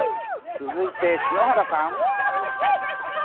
続いて篠原さん。